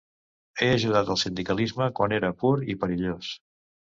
He ajudat el sindicalisme quan era pur i perillós.